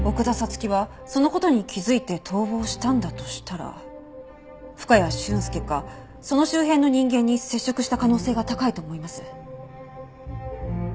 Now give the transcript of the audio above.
月はその事に気づいて逃亡したんだとしたら深谷俊介かその周辺の人間に接触した可能性が高いと思います。